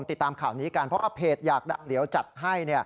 ติดตามข่าวนี้กันเพราะว่าเพจอยากดังเดี๋ยวจัดให้